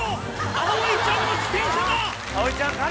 あおいちゃんの自転車だ！